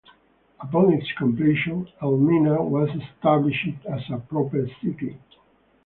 Upon its completion, Elmina was established as a proper city.